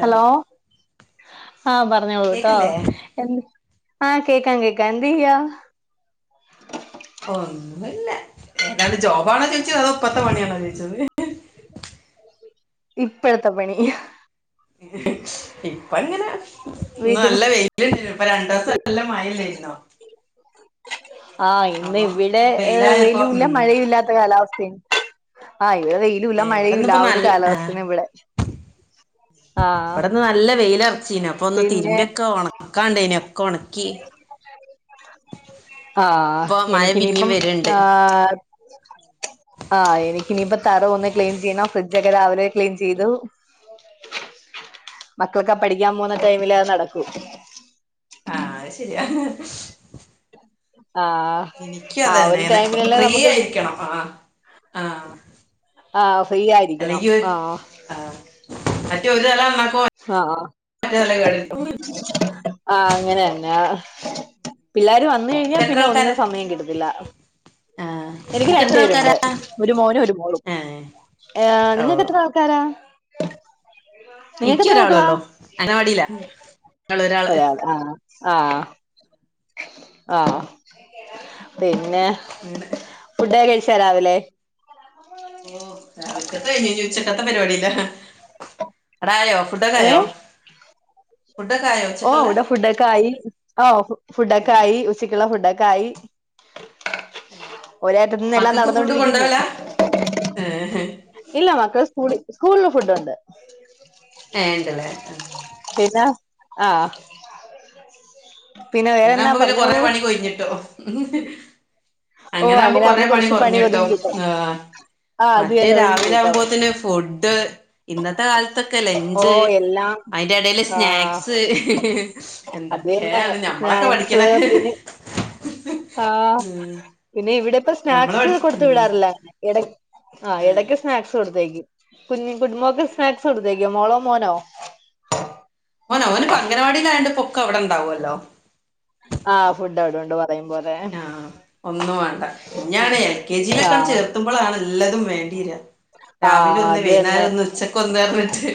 Hello ആ പറഞ്ഞോളൂ കേട്ടോ കേക്കില്ലേ എന്ത് ആഹ് കേക്കാൻ കേക്കാൻ എന്ത് ചെയ്യ ന്നല്ല ഏതാണ്ട് ജോബാണോ ചോയിച്ചത് അതോ ഇപ്പത്ത പണിയാണോ ചോദിച്ചത് ഇപ്പോഴത്തെ പണി ഇപ്പ ഇങ്ങനെ വീട്ടു നല്ല വെയിലുണ്ട ഇപ്പ രണ്ട് രസം നല്ല മഴ ആല്ലേന്നോ ആഹ് ഇന്ന് ഇവിടെ ഇന്ന് വെയിലായപ്പോ ഉം വെലൂല്ല മഴ ഇല്ലാത്ത കാലാവസ്ഥയ ആ അ വെയിലുംല്ല ഏ മഴയുല്ല ഇവിടെന്നിപ്പോ ആ ഒരു നല്ല ആ കാലാവസ്ഥന്ന് ഇവിടെ ആഹ് ഇവിടെന്ന് നല്ല വെയില ഇറച്ചീന അപ്പൊ ഒന്ന് പിന്നെ തിരുമ്പിയൊക്കെ ഓണം നനൊക്കെ ഉണക്കി ആഹ് ഇപ്പൊ മഴ എനിക്ക് പിന്നേം ഇനിപ്പം വരുണ്ട് ആഹ് ആഹ് നി ഇനിയിപ്പ തറോ ഒന്ന് ക്ലീൻ ചെയ്യണോ ഫ്രിഡ്ജ്ക്കെ രാവിലെ ക്ലീൻ ചെയ്തു മക്കളൊക്കെ പഠിക്കാൻ പോുന്ന ടൈമില് നടക്കും ആഹ് അത് ശെരിയാ ആഹ് എനിക്ക് ആ ഒരു അതന്നെന്നെ ടൈമിലല്ലേ ഫ്രീ നമുക്ക് ആയിരിക്കണം ആഹ് ആഹ് ആഹ് ഫ്രീ ആയിരിക്കണം ആഹ് ആ മറ്റേ ഒരു തലന്നാക്കുമ്പോ ആഹ് മറ്റേ തലകോട് വരുത്തും ആഹ് അങ്ങനെന്നെ പിള്ളേരും വന്ന് ന്ന കഴിഞ്ഞാൽ എത്ര പിന്നെ ആൾക്കാരാ ഒന്നിനന് സമയം കിടുത്തില്ല ആഹ് എനിക്ക് നിനക്ക് രണ്ടു എത്ര ആൾക്കാരാ പേരുണ്ട് ഒരു മോനും ഒരു മോളും ഏഹ് ഏ ഓ നിങ്ങൾക്ക് എത്ര ആൾക്കാരാ നിങ്ങൾക്ക് എനിക്ക് എത്ര മക്കള ഒരാളൊള്ളൂ അംഗനവാടിയില ഒരാള് ഒ ആ ആഹ് ആഹ് പിന്നെ അങ്ങനെ ഫുഡ് കഴിച്ചാ രാവിലെ ഓ രാവിലത്തെത്തെ കഴിഞ്ഞ് ചോിച്ചക്കത്തെ പരിപാടില്ല ടായോ ഫുഡൊക്കായോ ഓ ഇവിടെ ഫുഡൊക്കെ ആയി ഓ ഫുഡൊക്കെ ആയി ഉച്ചക്കുള്ള ഫുഡൊക്കെ കായി ഒരറ്റ ത്തി ന്ന് എല്ലാം മക്കൾക്ക് ഫുഡ് നടന്നോണ്ടിരിക്കുന്നു കൊണ്ടോവലാ ഏഹ് ഇല്ല മക്കള സ്കൂ സ്കൂൾ ഫുഡ് ഉണ്ട് ഏണ്ടല്ലേ ആ ആ അങ്ങനെ ആകുമ്പോ പിന്നെ കൊറെഞപണി പൊയ്കിട്ടും ഓ അങ്ങനെ ആകുമ്പോ കൊറെ പണി കുറച്ച് ഒതുങ്ങി കുറഞ്ഞിട്ടും കിട്ടും ആ ആ അത് മറ്റേ തന്നെ ഒഴിഞ്ഞു രാവിലെ കിട്ടും ആകുമ്പോ തന്നെ ഫുഡ് ഇന്നത്തെ കാലത്തൊക്കെ ഓ ലഞ്ച് എല്ലാം അതിന്റെ ഇടയില് ആ സ്നാക്സ് അത് തന്നെ എന്തൊക്കെയാണ് ഞ സ്നാക്സ് പിന്നെ ആ ഉം ഇന്ന ഇവിടെ ഇപ്പ നമ്മള് സ്നാക്സ് കൊടുത്ത പഠിക്കുന്ന വിടാറില്ല ഇടക് ആ ഏഹ് ഇടയ്ക്ക് സ്നാക്സ് കൊടുത്തേക്കും കുഞ്ഞ കുഞ്ഞുമോൾക് സ്നാക്സ് കൊടുതയ്ക്കോ മോള മോന ഓന ഓന് അംഗനവാടി കണ്ട് പൊക്ക അവിടെണ്ടാവല്ലോ ആ ഫുഡ് അവിടുണ്ട് പറയും പോലെ ആ ഒന്നും വേണ്ട ഞൻ എൽ കെ ജി ആ യിലൊക്കെ ചേർത്തുമ്പോളാ ണല്ലോ നല്ലതും വേണ്ടിയിരാ ആ രാവിലെ ഒന്ന് അത് തന്നെ വൈകുന്നേരം ഒന്ന് ഉച്ചക്ക ഒന്ന് വന്നിട്ട്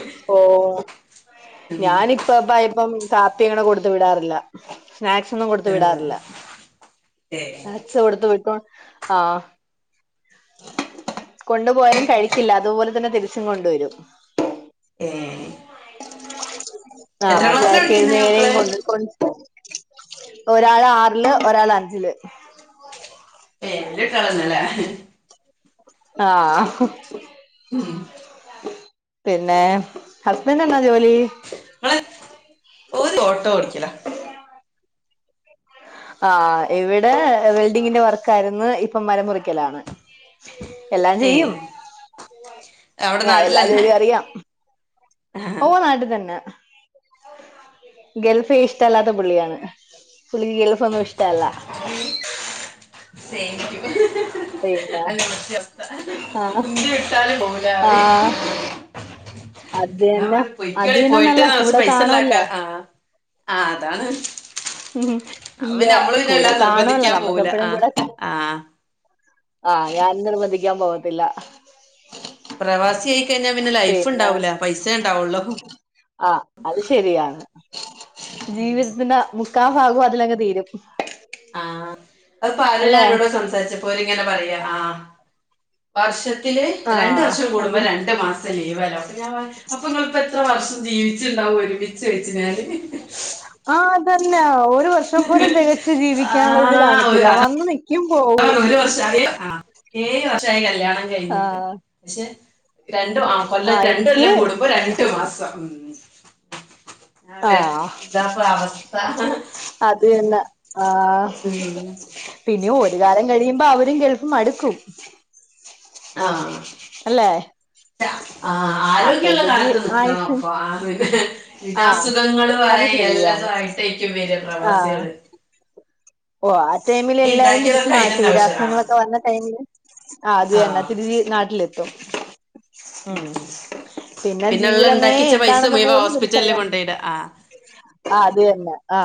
ഞാനിപ്പം ബയപ്പം കാപ്പി ഇങ്ങനെ കൊടുത്ത വിടാറില്ല സ്നാക്സ്സൊന്നും കൊടുത്ത് ഏഹ് വിടാറില്ല ഏഹ് സ്നാക്ക്സ് കൊട്ത്ത് വിട്ടു ആ കൊണ്ടുപോയാലും കഴിക്കില്ല അതുപോലെ തന്നെ തിരിച്ചും കൊണ്ടുവരും ഏ ആ അക്ക നേരെയയും മക്കള് കൊണ്ട് കൊണ്ട് ഒരാള് ആറില് ഒരാള് അഞ്ചില് പേരല്ട്ടന്നല്ല ആ മ്മ് പിന്നെ ഹസ്ബൻറ് എന്നാ ജോലി ഇങ്ങള് ഓര് ഓട്ടോ ഓടിക്കല ആ ഇവിടെ വെൽഡിങ്ങിന്റെ വർക്ക ആയിരുന്നു ഇപ്പൊ മരം മുറിക്കലാണ് എല്ലാം ഏ ചെയ്യും അവിടെ എല്ലാ നാട്ടിലന്നെ ജോലിയും അറിയാം ആഹ് ഓ നാടി ത ഗൾഫ് ഇഷ്ടല്ലാത്ത പുള്ളിയാണ് പുള്ളി ഗഫ ഒന്നും ഇഷ്ട അല്ല സ [inaudible] അല്ല ആഹ് കുന്തിയ ഇട്ടാല് പോല ആഹ് അതന്നെ പൊയ്ക്കോളി പോയിട്ട് അതീന്നന്നല്ല കുറച് കൂടെ പൈസണ്ടാക്ക കാണൂല്ല ആ അതാണ് ഉ അപ്പ ഇല്ല പിന്നെ നമ്മള് പിന്നെ കൂടെ വല്ലാതെ കാണല്ലോ നിർബന്ധിക്കാൻ നമ്മുക്ക് പോവൂല എപ്പഴും ആഹ് കൂടെ ആഹ് ആ അതാണ് ഞാനും നിർബന്ധിക്കാൻ പോവത്തില്ല പ്രവാസി ആയി കഴിഞ്ഞാൽ പിന്നെ ലൈഫ് ഉണ്ടാവൂല പൈസ ഉണ്ടാവുള്ളൂ ആ അത് ശരിയാണ് ജീവിതത്തിന്റെ മുക്കാ ഭാഗവും അതിലങ്ങു തീരും ആ അപ്പൊ അരു ഞാൻ അല്ലെ ഇവിടെ സംസാരിച്ചപ്പോര് ഇങ്ങനെ പറയാ ആ വർഷ തില് രണ്ട ആഹ് വർഷം അത് കൂടുമ്പോ രണ്ട് മാസം ലീവ് ലോ ഞാൻ അപ്പ നിങ്ങൾഇപ്പ എത്ര വർഷം ജീവിച്ചുണ്ടാവും ഒരുമിച്ച് വെച്ചാഞാല് ആ അതല്ലേ ഒരു വർഷം പോലും തികച്ചു ആ ജീവിക്കാനുള്ളത് ഒരു- കാണത്തില്ല അതാ വന്ന നിക്ക് ഒരു വർഷായി ആ ഏഴ് വർഷമായി കല്യാണം [unintelligible] ആഹ് പക്ഷേ രണ്ട് കൊല്ലം ആഹ് രണ്ട് എനിക്ക് കൊല്ലം കൂടുമ്പോ രണ്ടു മാസം. അതെയ ആഹ് ഇതാപ്പൊ അവസ്ഥ. അത്ന്നാ ആഹ് ഉം. പിന്നെ ഒരുകാലം കഴിയുമ്പോ അവരുംഗൾഫ് മടുക്കും. ആഹ് അല്ലേ. ആആരോഗ്യമുള്ള കാലത്ത് നിക്കണം ആയിഷ് അപ്പൊ ആ ആഹ് അസുഖങ്ങള്....... അത് ല്ലത ശരിയാണ് ആയിട്ടേക്കും വര് ആഹ് പ്രവാസികള് ഓ ആ ടൈമിൽ നീ എല്ലാരും തിരിച്ച് ഉണ്ടാക്കിയതൊക്കെ നാട്ടു അതിന് ആവശ്യം ആ വിരാസങ്ങളൊക്കെ വന്ന ടൈമില് ആ അത് തന്നാ തിരി നാട്ടിലെത്തും ഉം പിന്നെ ഉള്ള ജീവിതമേ ഉണ്ടാക്കിച്ച പൈസ എന്താണെന്ന് മുഴുവൻ പോലും ഹോസ്പിറ്റലിൽ അവർക്കറിയാ കൊണ്ടുപോയിട ആ ആ അത തന്നെ ആ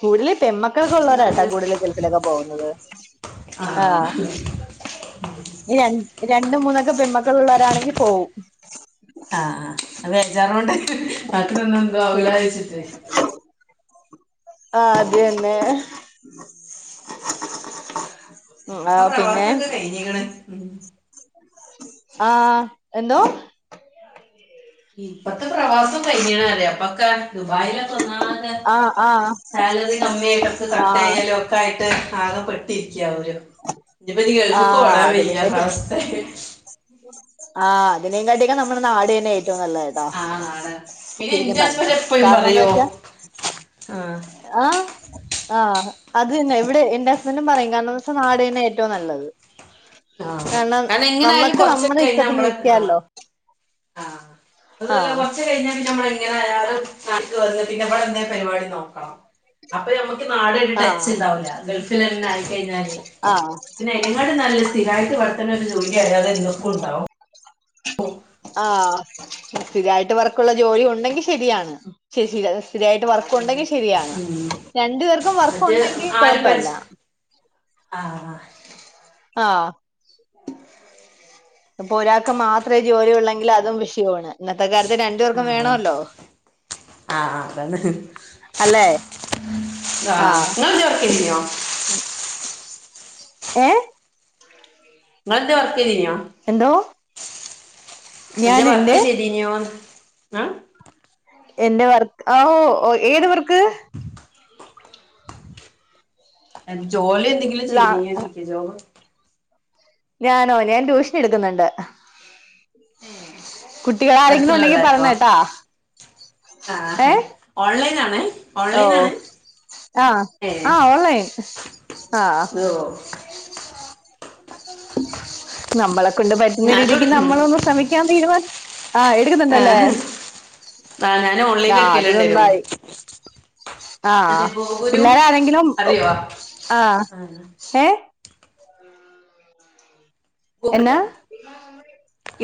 കൂടുതൽ പെമക്കളൊക്കെ ഉള്ളവരട്ടാ അങ്ങനെ. കൂടുതൽ ഗൾഫിലൊക്കെ പോകുന്നത്...... ആ ആഹ രണ്ട് മൂന്നൊക്കെ പെമക്കള് ഉള്ളവരാണെങ്കിൽ പോവും ആ ബേജാറോണ്ട് നാട്ടില് നിന്ന എന്തും ആവൂല വിചാരിച്ചിട്ട് ആ അത് തന്നെ ആഹ് പിന്നെ പ്രവാസം ഒക്കെ കഴിഞ്ഞിക്കണ് ആഹ് എന്തോ ഇപ്പത്തെ പ്രവാസം കഴിഞ്ഞാണ് അല്ലേ ഇപ്പൊക്കെ ദുബായിലൊക്കെ ഒന്നാകെ ആഹ് ആഹ് സാലറി കമ്മിയ ആയിട്ടൊക്കെ കട്ട് ആഹ് ചെയയ്യാലും ഒക്കെ ആയിട്ട് ആകെപ്പെെട്ടിരിക്കയാ അവര് ഇനിപ്പൊ ഇനി ഗൾഫ് ആഹ് ഓടാൻ വയ്യാ അതിനെകാട്ടി അവസ്ഥ ആഹ് അതിനെക്കാട്ടും കാട്ടിയൊക്കെ നമ്മുടെ നാട് തന്നെ ഏറ്റവും നല്ലത്ട്ടോ..... ആഹ് നാടാണ് പിന്നെ ശരിക്കും എന്റെ പറഞ്ഞോ ഹസ്ബൻഡ് എപ്പഴും കാരണംന്ന് പറയോ വെച്ചാ ആഹ് ആ ആ അതു തന്നെ ഇവിടെ എൻ്റെ ഹസ്ബഡും പറയും കാരണംന്ന് വെച്ചാ നാടുതന്നെയാ ഏറ്റവും നല്ലത് ആഹ് കാരണം എങ്ങനെ ആയാലും നമ്മക്ക് നമ്മുടെ ഇഷ്ടത്തിന് നിക്കാല്ലോ ആ അതുവല്ല ആഹ് കുറച്ച് കഴിഞ്ഞാലും ഞമ്മള് [unintelligible] കാരണം അതുവല്ല പിന്നെവിടെ എന്തേ പരിപാടി നോക്കണം അപ്പൊ ഞമ്മ നാടുവായിട്ട് ടച്ച് ആഹ് ഉണ്ടാവില്ല ഗൾഫിലങ്ങനെ ആയി കഴിഞ്ഞാല് ആഹ് പിന്നെ അയിനെ കാട്ടിലും നല്ലത് [unintelligible] ത് വളർത്തണേ ഒരു ജോലി [unintelligible] എന്നേക്കും ണ്ടാവും ആ ഇതായിട്ട് വർക്കുള്ള ജോലി ഉണ്ടെങ്കി ശരിയാണ് ശരി ശരി അതു ശരിയായിട്ട് ആ വർക്ക് അതന്നെ ഉണ്ടെങ്കിൽ ശരിയാണ് ഉം രണ്ടു പേർക്കും മറ്റേ വർക്കുണ്ടെങ്കി കൊഴപ്പേല്ല ആ അഹ് ആ അപ്പൊ ഒരാൾക്ക് മാത്രമേ ജോലി ഉള്ളെങ്കിൽ അതും വിഷയമാണ് ഇന്നത്തെ കാലത്ത് രണ്ടു പേർക്കും ആഹ് വേണല്ലോ ആഹ് അതാണ് അല്ലേ ആ ആഹ് നിങ്ങളെന്തേ വർക്ക് ചെയ്തീനോ ഏ ങ്ങൾൻ്റെ വർക്ക് കഴിഞ്ഞോ എന്തോ എന്റെ വർക്ക് ചെയ്തീനോന്ന് ആ എൻ്റെ വർക്ക് ആ ഓ ഏത് വർക്ക് ജോലി എന്തെങ്കിലും ലാ ചെയ്തിന്നേ [unintelligible] ഞാനോ ഞാൻ ട്യൂഷൻ എടുക്കുന്നുണ്ട്. ഏഹ് കുട്ടികൾ ആരെങ്കിലും അടുത്തുള്ള ഉണ്ടെങ്കി പറഞ്ഞ പിള്ളേർക്കോ കേട്ടാ. ആഹ് ഓൺലൈൻ ആ ഓ ആ ഏഹ് ആ ഓൺലൈൻ. ആ ഓ നമ്മളെ കൊണ്ട് പറ്റുന്ന ഞാനും രീതിക്ക് എടുക്കും നമ്മളൊന്ന് ശ്രമിക്കാൻ തീരുമാ ആഹ് എടുക്കുന്നുണ്ടല്ലേ ആഹ് ആഹ് ഞാൻ ആ ഓൺലൈനിൽ അത് എടുക്കലുണ്ടായിരുന്നു നന്നായി. ആ മറ്റേ ഗോകുലു പിള്ളേര് ആരെങ്കിലും അറിയോ ആ എ എന്നാ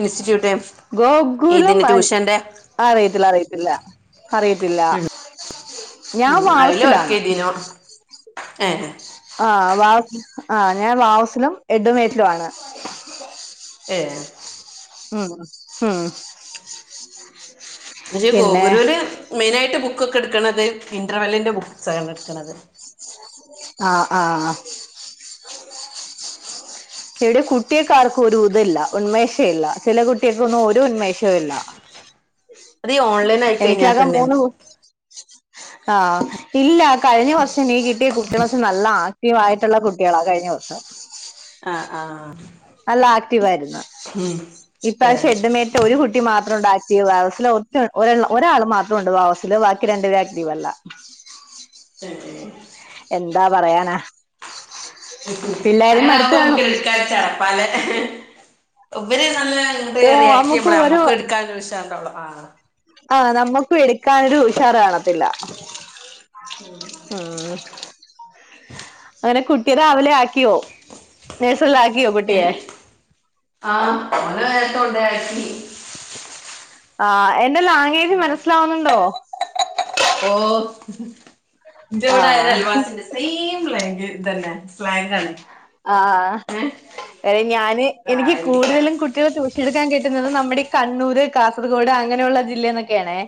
ഇൻസ്റ്റിറ്റ്യൂട്ട് ഗോഗുലം ഇതിന്റെ ട്യൂഷന്റെ അറിയത്തില്ല അറിയത്തില്ല. അറിയത്തില്ല ഉം ഞാൻ വാർസിലാണ്. ഏ ആ വ ആഹ് ഞാൻ വാവസിലും എഡുമേറ്റിലു ആണ്. ഏ മ് മ് പക്ഷേ ഈ ഗോഗുരുന് മെയിനായിട്ട് ബുക്കൊക്കെ എടുക്കണത് ഇന്റർവെല്ലിന്റെ ബുക്ക്സണ് എടുക്കണത് ആ ആഹ് ഇവിടെ കുട്ടികക്കാർക്കും ഒരു ഇതല്ല ഉന്മേഷ ഇല്ല ചില കുട്ടികൾക്കൊന്നും ഒരു ഉന്മേഷവും ഇല്ല. അത് ഈ ഓൺലൈൻ ആയി കഴിഞ്ഞാൽ എനിക്കാകെ തന്നെ മൂന്ന് ആ ഇല്ല കഴിഞ്ഞ വർഷം നീ കിട്ടിയ കുട്ടികളോക്കെ നല്ല ആക്റ്റീവ് ആയിട്ടുള്ള കുട്ടികളാ കഴിഞ്ഞ വർഷം. ആ ആഹ് ക്ടീവായിരുന്നു ഉം ഇാ പ്രാവശ്യം ഏഹ് എൻ്റെ [unintelligible] ഒരു കുട്ടി മാത്രണ്ട് വാവസല് ഒറ്റ ഒരള് ഒരാള് മാത്രം ഉണ്ട് വാവാസില് ബാക്കി രണ്ട് പേര് ആക്ടീവല്ല. ഉ എന്താ പറയാനാ പിള്ളേരും അങ്ങനെ മടുത്ത് കാണും. [unintelligible] ഇവര് നല്ല റിയ ഓ റിയാക്ട് നമുക്ക് ചെയ്യുമ്പോളേ ഓരോ നമ്മുക്കും എടുക്കാ നൊരു ഉഷാറ്ണ്ടാവൊളു ആ ആ നമ്മുക്കു എടുക്കാനൊരു ഉഷാർ കാണത്തില്ല മ് അങ്ങനെ കുട്ടി രാവിലെ ആ ആക്കിയോ നഴ്സറില്ലാക്കിയോ കുട്ടിയെ? ആ ഓനെ നേരത്തെ കൊണ്ടയാക്കി. ആ എന്റെ ലാഗോജ് അങ്ങനെ മനസ്സിലാവുന്നുണ്ടോ? ഓ ജെവിടെ ഒരു ആഹ് അയൽവാസിണ്ട് സെയിം ഇതെന്നെ സ്ലാഗണ്. ആആ വ ഞാന് എനിക്ക് ആയിരിക്കാം കൂടുതലും കുട്ടികൾ ട്യൂഷൻ എടുക്കാൻ കിട്ടുന്നത് നമ്മുടെഈ കണ്ണൂർ കാസർഗോഡ് അങ്ങനെയുള്ള ജി ല്ലേ നൊക്കെയാണെ.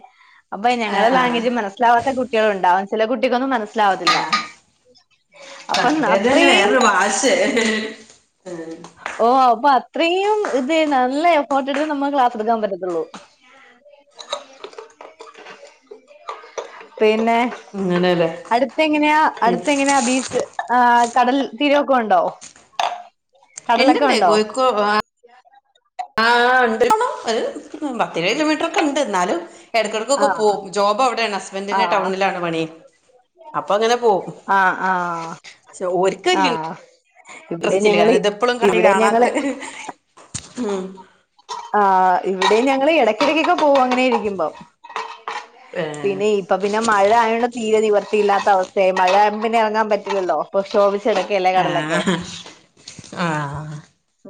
അപ്പ ആ ഞങ്ങള ലാംഗ്വേജ് ആ മനസിലവാത്ത കുട്ടികളുണ്ടാവും ചെല കുട്ടിക്കൊന്നും മ ആഹ് അപ്പൊ കണ്ടത് തന്നെ അത്രയും വേറൊരു ഭാശ ഓ അ പ ഇത്രയും ഇത് നല്ല എഫേട്ട് എടുത്ത് നമ്മക്ക് ക്ലാസ് എടുക്കാൻ പറ്റത്തുള്ളൂ. പിന്നെ അങ്ങനെയല്ലേ അടുത്തെങ്ങനെയാ അടുത്തെ എങ്ങനെയാ ബീച്ച് ആ് കടൽ തീരാക്കെ ഒണ്ടോ? ഇണ്ട് ഇണ്ട് കോഴിക്കോട് ആ ഉണ്ട് അത് ഏഴ് കിലോമീറ്റർ ഒക്കെ ഉണ്ട് എന്നാലും ഇടക്കിടക്കൊക്കെ ആഹ് പോവും ജോബ് അവിടെയാണ് ഹസ്ബൻറിന്റെ ടൗണിലാണ് പണി. അപ്പൊ അങ്ങനെ പോകും ആ ആ പക്ഷെ ഓർക്ക് ആ വലിയ [unintelligible] ഇതെപ്പോഴും കണി കാണാത്ത ഞങ്ങള് ഉ ആ് ഇവിടെ ഞങ്ങള് ഇടക്കിടകൊക്കെ പോ അങ്ങനെ ഇരിക്കുമ്പ ഏഹ് പിന്നെ ഇപ്പ പിന്നെ മഴ ആയ തീരെ നിവർത്തിയില്ലാത്ത അവസ്ഥയായി മഴാവുമ്പ പിനെ ഇറങ്ങാൻ പറ്റില്ലല്ലോ അ ചടക്കല്ലേ കടലൊക്കെ ആഹ് ആഹ്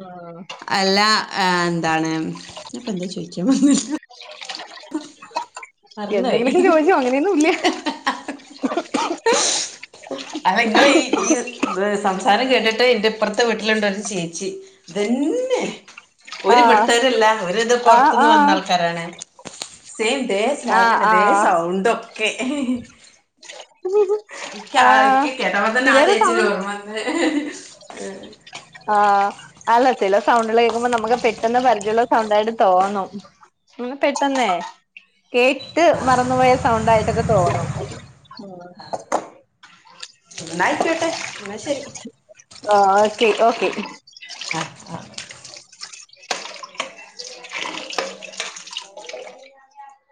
ആഹ് അല്ല ആ എന്താണ് ഇപ്പൊ എന്താ ചോദിക്കാൻ വന്നല്ലോ? മറന്നോയി എന്തെങ്കിലൊക്കെ ചോദിച്ചോ അങ്ങനെയൊന്നും ഇല്ല. അ നിങ്ങളെ ഈ ഈ ഇ സംസാരം കേട്ടിട്ട് എൻന്റെ ഇപ്പുറത്തെ വീട്ടിലുണ്ടായിരുന്നു ചേ ഒർ ആഹ് ഇവിടുത്തെരല്ല അവരി ഇത് ആഹ് പുറത്തുന്ന് വന്ന ആഹ് ആൾക്കാരാണ് തെ സ്ലാഗൻ ആഹ് ന്നേ തെ ആഹ് സൗണ്ട് ഒക്കെ ആഹ് ക്ക് കേട്ട്പ തന്നെ ആ ചിലര് ചേച്ചീനെ സൗണ്ട് ഓർമ്മ വന്ന ആഅല്ല ചില സൗണ്ടില് കേൾക്കുമ്പോ നമുക്ക് പെട്ടെന്ന് പരിചയയുള്ള സൗണ്ട ആയിട്ട് തോന്നും ഇ പെട്ടെന്ന കേട്ട് മറന്നുപോയ സൗണ്ട ആയിട്ടൊക്കെ തോന്നും നന്നായിക്കോട്ടെ എന്ന ശരി ആ ഓക്കെ ഓക്കെ